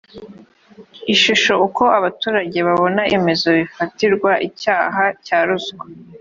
ishusho uko abaturage babona ibyemezo bifatirwa icyaha cya ruswa